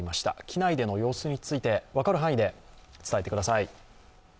機内での様子について分かる範囲で伝えてください。